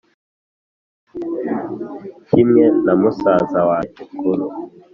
kimwe na musaza wange mukuru